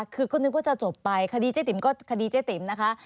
คือก็นึกว่าจะจบไปคดีเจ๊ติ๋มก็คดีเจ๊ติ๋มนะคะ